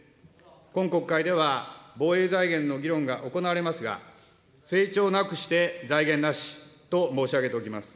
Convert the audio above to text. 今国会では、防衛財源の議論が行われますが、成長なくして財源なしと申し上げておきます。